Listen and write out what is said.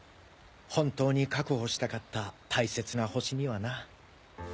本当に確保したかった大切なホシにはな。